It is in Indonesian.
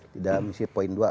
di dalam misi dua empat